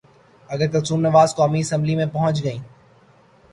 اگر کلثوم نواز قومی اسمبلی میں پہنچ گئیں۔